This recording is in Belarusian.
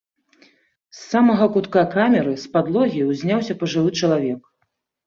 З самага кутка камеры, з падлогі, узняўся пажылы чалавек.